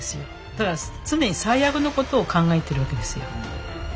だから常に最悪のことを考えているわけですよ。